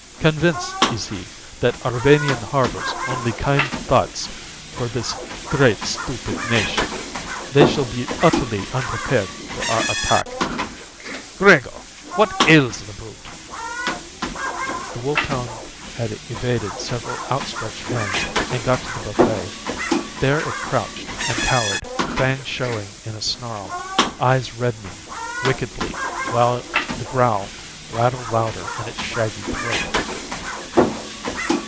Convinced, is he, that Arvania harbors only kind thoughts for this great stupid nation. They shall be utterly unprepared for our attack Grego! What ails the brute?" The wolfhound had evaded several outstretched hands and got to the buffet. There it crouched and cowered, fangs showing in a snarl, eyes reddening wickedly, while the growl rattled louder in its shaggy throat.